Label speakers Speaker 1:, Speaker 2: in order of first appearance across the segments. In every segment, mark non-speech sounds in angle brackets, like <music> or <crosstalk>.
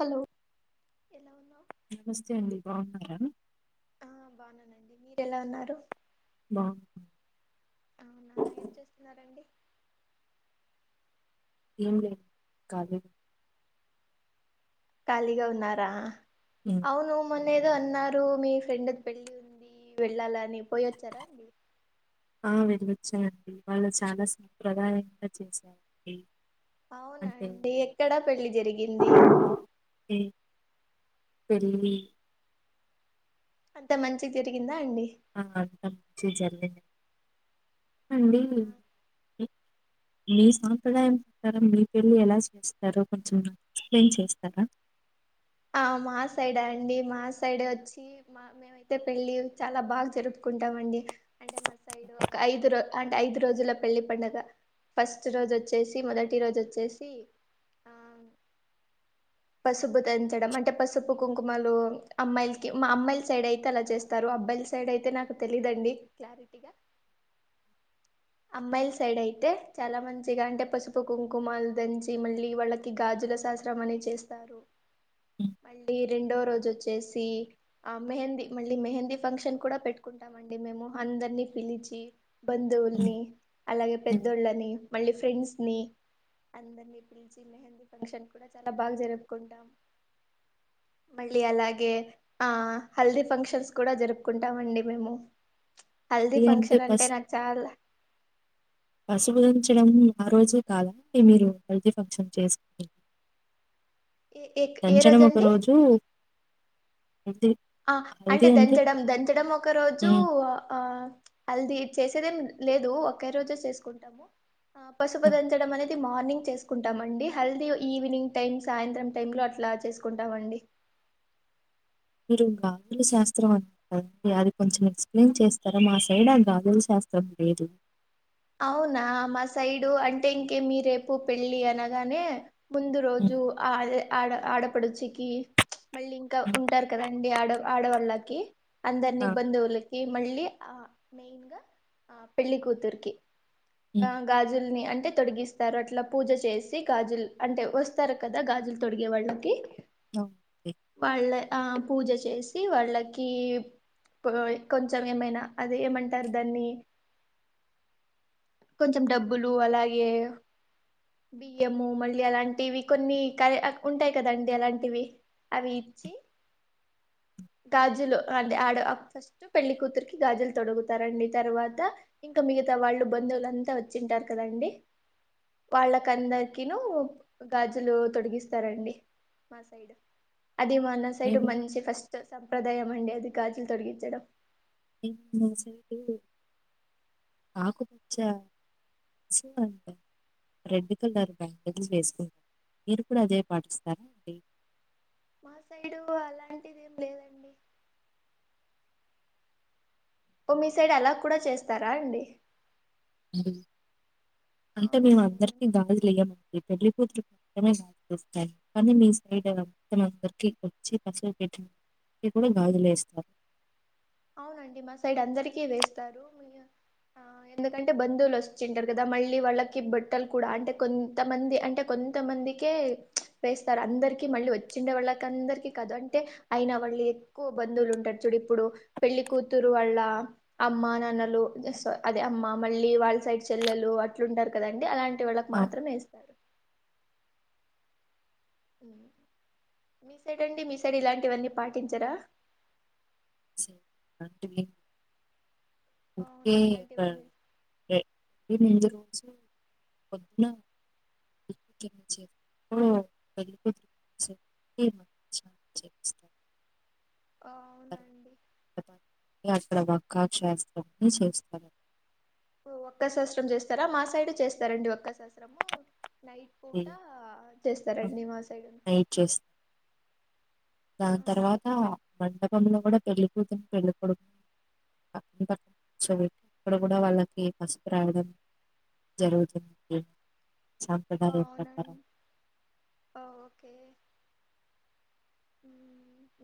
Speaker 1: Hello ఎలా ఉన్నావ్
Speaker 2: నమస్తే అండి బాగున్నారా
Speaker 1: ఆ బాననండి మీరు ఎలా ఉన్నారు
Speaker 2: బా
Speaker 1: అవునా ఏం చేస్తున్నారండి
Speaker 2: ఏం లే కాలి
Speaker 1: ఖాళీగా ఉన్నారా
Speaker 2: ఉమ్.
Speaker 1: అవును మ న ఏదో అన్నారు మీ ఫ్రెండ్ది పెళ్లి ఉంది వెళ్ళాల అని పోయోచ్చారా అండి
Speaker 2: ఆ వినిపచ్చాయండి వాళ్ళు చాలా సాంప్రదాయంగా చేశారండి అంటే
Speaker 1: అవునండి ఎక్కడా పెళ్లిి జరిగింది
Speaker 2: పెళ్లి
Speaker 1: అంత మంచిగా జరిగిందా అండి
Speaker 2: అనంతం టీజర్లే అండి
Speaker 1: అవునా
Speaker 2: మీ సాంప్రదాయం ప్రకారం మీ పెళ్లి ఎలా చేస్తారో కొంచెం ఎక్స్ప్లెయిన్ చేస్తారా
Speaker 1: ఆ మా సైడ్ అండి మా సైడ్ వచ్చి మా మేమైతే పెళ్ళి చాలా బాగా జరుపుకుంటాం అండి అంటే మా సైడ్ ఒక ఐదు ర అంటే ఐదు రోజుల పెళ్లి పంండగ ఫస్ట్ రోజు వచ్చేసి మొదటి రోజు వచ్చేసి ఆ పసుపు దంచడం అంటే పసుపు కుంకుమలు అమ్మాయిలకి మా అమ్మాయిల సైడ్ అయితే అలా చేస్తారు అబ్బాయిల సైడ్ అయితే నాకు తెలిదండి క్లారిటీగా అమ్మాయిల సైడ్ అయితే చాలా మంచిగా అంటే పసుపు కుంకుమలు దంచి మళ్ళీ వాళ్ళకి గాజుల శాస్త్రం అనే చేస్ టారు
Speaker 2: ఉమ్,
Speaker 1: మళ్ళీ రెండో రోజు వచ్చేసి ఆ మెహందీ మళ్ళీ మెహందీ ఫంక్షన్ కూడా పెట్టుకుంటాం అండి మేము అందరినీ పిలిచి
Speaker 2: ఉమ్.
Speaker 1: బంధువుల్ని అలాగే పెద్దోళ్ళని మళ్ళీ ఫ్రెండ్స్ ని అందరిని పిలిచి మెహందీ ఫంక్షన్ కూడా చాలా బాగా జరు కుంటాం మళ్ళీ అలాగే ఆ హల్దీ ఫంక్షన్స్ కూడా జరుపుకుంటాం అండి మేము హల్దీ
Speaker 2: పెళ్ళి
Speaker 1: ఫంక్షన్ అంటే
Speaker 2: పసు
Speaker 1: నాకు చాల
Speaker 2: పసుపు దంచడం ఆ రోజే కాదా అంటే మీరు హల్దీ ఫంక్షన్ చేసుకోడి
Speaker 1: ఏ ఏ ఏ
Speaker 2: దంచడం ఒక
Speaker 1: రోజండి
Speaker 2: రోజు హల్దీ
Speaker 1: ఆ అంటే దంచడం దంచడం ఒక రోజు
Speaker 2: ఉమ్.
Speaker 1: ఆ హల్దీ చేసేదేం లేదు ఒకే రోజు చేసుకుంటాము ఆ పసుపు దంచడం మ అనే ది మార్నింగ్ చేసుకుంటామండి హల్దీ ఈవెనింగ్ టైమ్స్ సాయంత్రం టైమ్ లో అట్లా చేసుకుంటామండి
Speaker 2: మీరు గాజుల శాస్త్రం అన్నారు కదండి అది కొంచెం ఎక్స్ప్లెయిన్ చేస్తారా మా సైడ్ ఆ గాజుల్ శాస్త్రం లేదు
Speaker 1: అవునా మా సైడు అంటే ఇంకేమీ రేపు పెళ్ళి అనగానే ముందు
Speaker 2: హ్మ్.
Speaker 1: రోజు అదే ఆడ ఆడపడుచుకి మళ్ళీ ఇంకా
Speaker 2: హ్మ్.
Speaker 1: ఉంటారు కద అండి ఆడ ఆడవాళ్లకి
Speaker 2: ఆ!
Speaker 1: అందరిని బంధువులీ ఈ మళ్ళీ ఆ మెయిన్ గా ఆ పెళ్లి కూతురుకి ఆ
Speaker 2: హ్మ్.
Speaker 1: గాజుల్ని అంటే తొడిగిస్తారు అట్లా పూజ చేసి గాజుల్ అంటే వస్తారు కదా గాజులు తొడిగే వాళ్లకి
Speaker 2: అవునండి
Speaker 1: వాళ్ళ ఆ పూజ చేసి వాళ్ళకి కొంచెం ఏమైనా అది ఏమంటారు దాన్ని కొంచెం డబ్బులు అలాగే బియ్యము మళ్ళీ అలాంటివి కొన్ని కర్య ఉంటాయి కదండి అలాంటివి అవి ఇచ్చి గాజులు అంటే ఆడ ఫస్ట్ పెళ్లి కూతురికి గాజులు తొడుగుతారండి తర్వాత ఇంకా మిగతా వాళ్ళు బంధువులంతా వచ్చింటారు కదండి. వాళ్ల అందరికీ ను గాజులు తొడిగిస్తారండి మా సైడ్ అది మన్న సైడ్
Speaker 2: మేము
Speaker 1: మంచి ఫస్ట్ సం సంప్రదాయం అండి అది గాజులు తొడిగించడం.
Speaker 2: ఏమో మా సైడు ఆకుపచ్చ చ్చ అంతా రెడ్ కలర్ బ్యాంగిల్స్ వేసుకుంటారు మీరు కూడా అదే పాటిస్తారా అండి
Speaker 1: మా సైడు అలాంటివి ఏం లేదండి ఓ మీ సైడ్ అలా కూడా చేస్తారా అండి
Speaker 2: హ్మ్ అంటే
Speaker 1: అవునా
Speaker 2: మేము
Speaker 1: అండి
Speaker 2: అందరికీ గాజులేయ్యము ఈ పెళ్లి కూతురు మాత్రమే గాజులు వేస్తారు కానీ మీ సైడ్ మొత్తం అందరికి వచ్చి పసుపు పెట్టి ఎక్కువగా గాజులేస్తారు.
Speaker 1: అవునండి మా సైడ్ అందరికి వేస్తారు ఆ ఎందుకంటే బంధువులు వచ్చింటారు. కదా మళ్ళీ వాళ్ళకి బట్టలు కూడా అంటే కొంతమంది అంటే కొంతమందికే వేస్తారు అందరికి మళ్ళీ వచ్చిండే వాళ్ళకి అందరికి కాదు అంటే అయినా వాళ్ళి ఎక్కువ బంధువులు ఉంటారు చూడు ఇప్పుడు పెళ్లి కూతురు వాళ్ళ అమ్మ నాన్నలు జేస్వ అదే అమ్మ మళ్ళీ వాళ్ళ సైడ్ చెల్లెలు అట్లుంటారు కదండి అలాంట్ వాళ్ళకి
Speaker 2: అవును.
Speaker 1: మాత్రమే ఇస్తారు. మీ సైడ్ అండి మీ సైడ్ ఇలాంటివన్నీ పాటించరా
Speaker 2: సైడ్ అలాంటివి ఏమి ఊరికే
Speaker 1: అవునా ఇలాంటివన్నీ
Speaker 2: ఏ ఈవెనింగ్ జు పొద్దున వచ్చి <unintelligible>
Speaker 1: ఓ
Speaker 2: అక్కడ తర్వాత ఇగ మక్క శాస్త్రాన్ని చేస్తారు
Speaker 1: ఒక్క శాస్రం చేస్తారా మా సైడ్ చేస్తారండి ఒక్క సాస్రము నైట్ పూట
Speaker 2: అది
Speaker 1: చేస్తారంండి మా సైడ్
Speaker 2: నైట్ చేస్తారు
Speaker 1: ఆ
Speaker 2: దాని తర్వాత మండ ఫోన్లో కూడా పెళ్ళికూతురు పెళ్ళి కొడుకు పక్క పక్కగ కూర్చొని ఇక్కడ కూడా వాళ్ళకి పసుపు రాయడం జరుగుతుంది. సాంప్రదాయం ప్రకారం
Speaker 1: అవునండి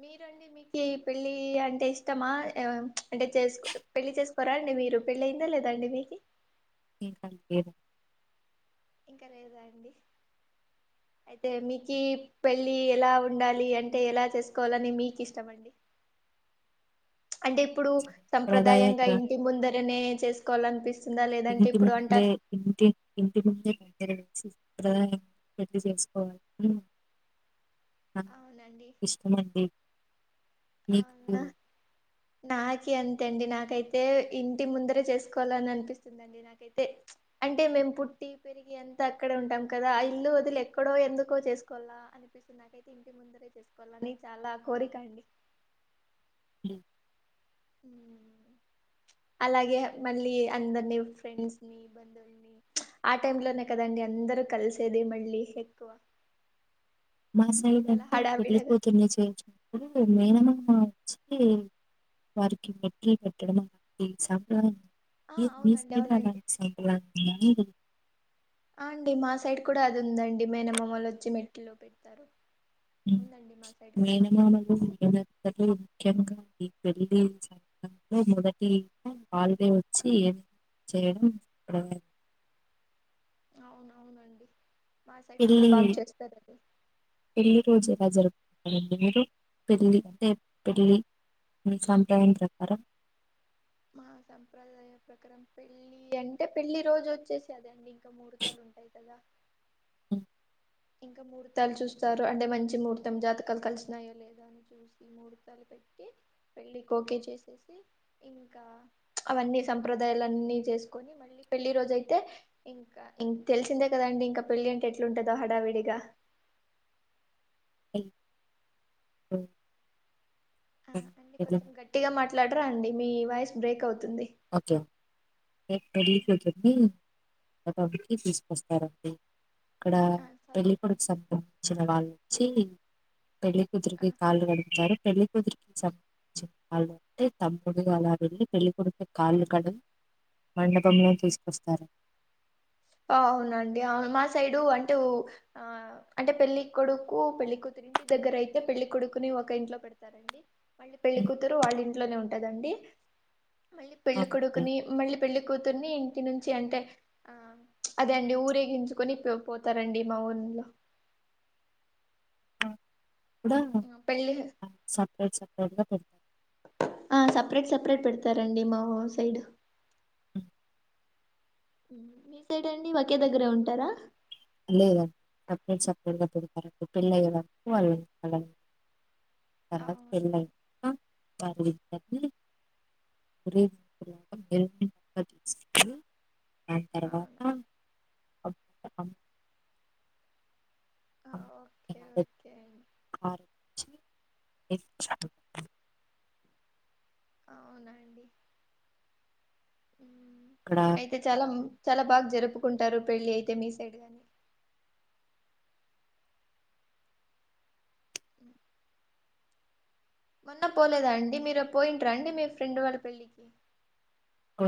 Speaker 1: మీరుండి మీకు పెళ్ళి అంటే ఇష్టమా చమ్ అంటే చేసుకో పెళ్లి చేసుకోరా అండి మీరు పెళ్లి అయిందా లేదాండి మీకి
Speaker 2: ఇంకా లేదు
Speaker 1: ఇంకా లేదా అండి అయితే మీకి పెళ్ళి ఎలా ఉండాలి అంటే ఏలా చేసుకోవాలని మీకు ఇష్టం అండి. అంటే ఇప్పుడు
Speaker 2: సాంప్రదాయ
Speaker 1: సంప్రదాయంగా
Speaker 2: ప్ర-
Speaker 1: ఇంటి ముందరనే చేసుక్ కోలన్ పిస్
Speaker 2: ఇంటి ముందే ఇంటి ఇంటి ముందే ప్రే <unintelligible> పెట్టి చేసుకోవాలి మమ్ అ
Speaker 1: అవునండి
Speaker 2: ఇష్టమండి మీకు
Speaker 1: అవునా నాకి అంతే అండి నాకైతే ఇంటి ముందరే చేసుకోవాలని అనిపిస్తుందిండి. నాకైతే అంటే మేము పుట్టి పెరిగి అంతా అక్కడే ఉంటాం కదా ఇల్లు వదులి ఎక్కడో ఎందుకో చేసుకోవాలా అనిపిస్తుంది. నాకైతే ఇంటి ముందరే చేసుకోవాల అని చాలా కోరిక అండి. అలాగే మళ్ళీ అందరిని ఫ్రెండ్స్ ని బంధువుల్ని ఆ టైంలోనే కదండి. అందరు కలిసేది మళ్ళీ ఎక్కువ
Speaker 2: మాసైడ్
Speaker 1: చాలా
Speaker 2: అంటే
Speaker 1: హడావిడగా
Speaker 2: పెళ్లికూతురుని చేయచ్చు. ఇప్పుడు మేనమామ వచ్చి వారికి మెట్టెలు పెట్టడం అలాంటి సంప్రదాయం
Speaker 1: ఆ అవునండి అవునండి
Speaker 2: స్ <unintelligible> అలా అ
Speaker 1: ఆ అండి మా సైడ్ కూడా అది ఉందండి మేన మామలు వచ్చి మెట్టెలు పెడతారు ఉందండి మా సైడ్ కూడా
Speaker 2: మేనమామలు <unintelligible> ముఖ్యంగా ఈ పెళ్లి చ మొదటి హల్వే వచ్చి చేయడం
Speaker 1: అవున అవునండి మా సైడ్ కూడా
Speaker 2: పెళ్లి
Speaker 1: బాగా చేస్తారు అది
Speaker 2: జరుగుతుంది మీకు పెళ్లి అంటే పెళ్లి మీ సంప్రదాయం ప్రకారం
Speaker 1: మా సంప్రదాయ ప్రకారం పెళ్ళి అంటే పెళ్లి రోజు వచ్చేసి అదండి ఇంకా ముహూర్తాలు ఉంటాయి కదా
Speaker 2: హ్మ్.
Speaker 1: ఇంకా ముహూర్తాలు చూస్తారు అంటే మంచి ముహూర్తం జాతకాలు కలిసినాయో లేదా అని చూసి ముహూర్తాలు పెట్టి పెళ్ళి ఓకే చేసేసి ఇంకా అవన్నీ సంప్రదాయాలు అన్నీ చేసుకొని మళ్ళీ పెళ్లి రోజయితే ఇంకా ఇం తెలిసిందే కదండి ఇంకా పెళ్లి అంటే ఎట్లా ఉంటది హడావిడిగా
Speaker 2: పెళ్లి
Speaker 1: అండి కొంచెం గట్టిగా మాట్లాడ అండి మీ వాయిస్ బ్రేక్ అవుతుంది తుంది
Speaker 2: రేట్ పెరిగిపోతుంది టికి తీసుకొస్తారండి ఇక్కడ
Speaker 1: ఆ సరే
Speaker 2: పెళ్ళికొడుకు సపోర్ట్ ఇచ్చిన వాళ్ళు వచ్చి పెళ్ళి
Speaker 1: ఆ
Speaker 2: కూతురికి కాళ్ళు కడుగుతారు పెళ్లికూతురికి సంబంధించిన వాళ్ళు ఉంటే తమ్ముడు అలా వెళ్ళి పెళ్లికొడుకు కాళ్ళు కడుగుతారు మండపములోకి తీసుకొస్తారు
Speaker 1: అవునండి అవును మా సైడు అంటే ఆ అంటే పెళ్లి కొడుకు పెళ్లి కూతురింటి దగ్గర అయితే పెళ్లి కొడుకుని ఒక ఇంట్లో పెడతారండి
Speaker 2: ఉమ్,
Speaker 1: పెళ్లికూతురు వాళ్ళి ఇంటి ఇంట్లోనే ఉంటదండి మళ్ళీ పెళ్లి
Speaker 2: అవునండి.
Speaker 1: కొడుకుని మళ్ళీ పెళ్ళి కూతుర్ని ని ఇంటి నుంచి అంటే ఆ అదే అండి ఊరేగించుకొని పోతారండి మా ఊరిలో
Speaker 2: కూడా సపరేట్ సపరేట్ గా పెడతారు
Speaker 1: ఆ సపరేట్ సపరేట్ పెడతారండి మా ఊరి సైడ్
Speaker 2: ఉమ్,
Speaker 1: మీ సైడ్ అండి ఒకే దగ్గరే ఉంటారా
Speaker 2: డు పర పెళ్ళి అయ్యేవరకు వాళ్ళు తర్వాత పెళ్ళి
Speaker 1: అవునండి
Speaker 2: అయితది వారి ఇద్దర్ని రిసెప్షన్ <inaudible> ఆ తర్వాత
Speaker 1: అవును
Speaker 2: <inaudible>
Speaker 1: ఓకే
Speaker 2: కానీ
Speaker 1: ఓకే అండి
Speaker 2: కారు లో వచ్చి
Speaker 1: అవునండి
Speaker 2: అక్కడ
Speaker 1: అయితే చలం చాలా బాగా జరుపుకుంటారు పెళ్ళి అయితే మీ సైడ్ గాని. ఉ మొన్న పోలేదా అండి, మీరు పోయిండ్రా అండి మీరు ఫ్రెండ్ వాళ్ళ పెళ్ళికి.
Speaker 2: ఓ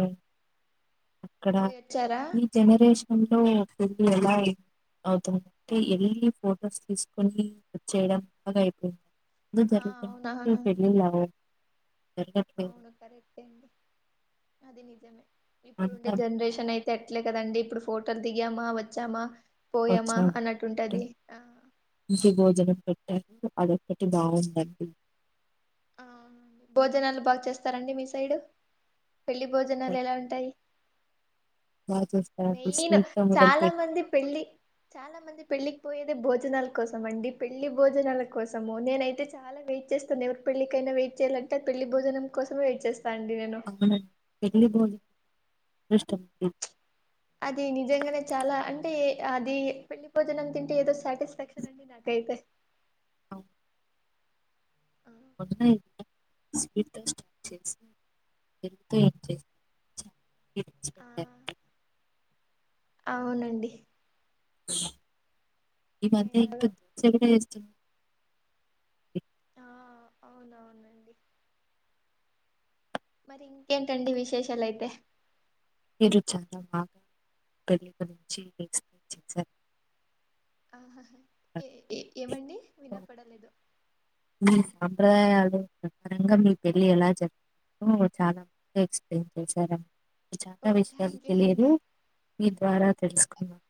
Speaker 2: అక్కడ
Speaker 1: పోయి వచ్చారా
Speaker 2: ఈ జనరేషన్ లో ఎలా ఐతుంది అవుతుందంటే ఎళ్లి ఫొటోస్ తీసుకొని వచ్చేయడం లాగా అయిపో
Speaker 1: ఆ
Speaker 2: దాని <unintelligible>
Speaker 1: అవునవును
Speaker 2: పెళ్లి
Speaker 1: అవును కరెక్ట్ అండి, అది జమ ఇప్పుడుండే
Speaker 2: అంతా
Speaker 1: జనరేషన్ అయితే అట్లే కదండి ఇప్పుడు ఫోటోలు దిగామా వచ్చామా. పోయామా
Speaker 2: వచ్చి
Speaker 1: అన్నట్టుంటది ఆ
Speaker 2: <unintelligible> పెట్టారు అదొక్కటి బాగుండండి.
Speaker 1: ఆ భోజనాలు బాగా చేస్తారండి మీ సైడు. పెళ్లి భోజనాలు ఎలా ఉంటాయి,
Speaker 2: బాగా చేస్తారండి
Speaker 1: మెయిన్
Speaker 2: స్వీట్ తో మొదలు
Speaker 1: చాలా
Speaker 2: పెట్టి
Speaker 1: మంది పెళ్ళి, చాలా మంది పెళ్ళి. పోయేదే భోజనాల కోసమండి, పెళ్లి భోజనాల కోసము, నేనైతే చాలా వెయిట్ చేస్తాను ఎవరు పెళ్లి కంటే వెయిట్ చేయాలంటే, పెళ్లి భోజనం కోసమ వెయిట్ చేస్
Speaker 2: అవునండి <unintelligible> దష్ట
Speaker 1: అది నిజంగనే చాలా అంటే అది పెళ్లి భోజనం తింటే ఏదో సాటిస్ఫాక్షన్ అండి నాకైతే.
Speaker 2: అ
Speaker 1: ఆ
Speaker 2: <unintelligible> చేసా
Speaker 1: ఆ, అవునండి
Speaker 2: ఈ మధ్య ఇంకా
Speaker 1: ఎలాగో
Speaker 2: దోశ
Speaker 1: ఆ అవునవునండి. మరి ఇంకేంటండి విశేషాలయితే
Speaker 2: మీరు చాలా బాగా పెళ్లి గురించి ఎక్స్ప్లెయిన్ చేశారు.
Speaker 1: ఆహాహ ఏ ఏ ఏమండి వినపడలేదు.
Speaker 2: మీ సాంప్రదాయాలు ప్రధనంగా మీ పెళ్లి ఎలా జరుపు చాలా బా ఎక్స్ప్లెయిన్ చేశార నా చాలా
Speaker 1: ఓ
Speaker 2: విషయాలు
Speaker 1: థ్యాంక్ యూ
Speaker 2: తెలియదు.
Speaker 1: అండి
Speaker 2: మీ ద్వారా తెలుసుకుంన్నాం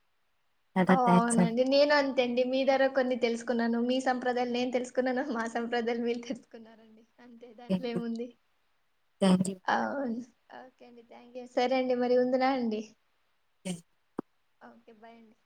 Speaker 1: అవ్ అవునండి నేను అంతే అండి, మీ ద్వారా కొన్ని తెలుసుకున్నాను. మీ సంప్రదాయాలు నేను తెలుసుకున్నాను. మా సంప్రదాయాలు మీరు తెలుసుకున్నారండి. అంతే దాంట్లో
Speaker 2: థాంక్ యూ.
Speaker 1: ఏముంది
Speaker 2: థాంక్ యూ.
Speaker 1: అవును. ఓకే అండి థ్యాంక్ యూ. సరే అండి మరి ఉందునా అండి.
Speaker 2: ఉమ్
Speaker 1: ఓకే బాయ్ అండి.